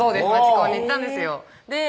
コンに行ったんですよ